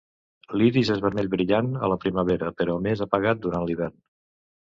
L'iris és vermell brillant a la primavera, però més apagat durant l'hivern.